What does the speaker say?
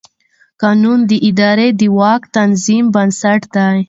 قانون د ادارې د واک د تنظیم بنسټ دی.